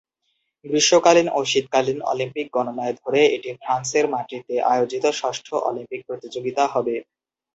গ্রীষ্মকালীন ও শীতকালীন অলিম্পিক গণনায় ধরে এটি ফ্রান্সের মাটিতে আয়োজিত ষষ্ঠ অলিম্পিক প্রতিযোগিতা হবে।